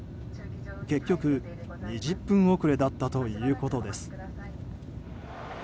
結局、２０分遅れだったということです。